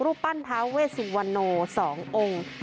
รูปปั้นท้าเวสุวรรณโน๒องค์